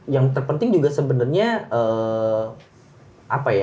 yang terpenting juga sebenarnya apa ya